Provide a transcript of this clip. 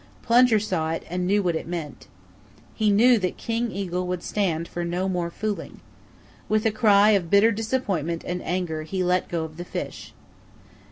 Plunger saw it and knew what it meant. He knew that King Eagle would stand for no more fooling. With a cry of bitter disappointment and anger he let go of the big fish.